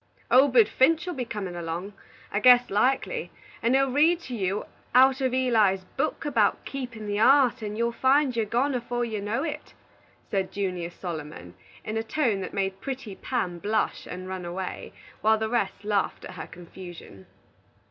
"Obed Finch will be comin' along, I guess likely, and he'll read to you out uv Eli's book about keepin' the heart, and you'll find your'n gone 'fore you know it," said Junius Solomon, in a tone that made pretty Pam blush and run away, while the rest laughed at her confusion.